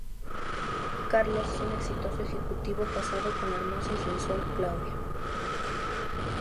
Carlos es un exitoso ejecutivo casado con la hermosa y sensual Claudia.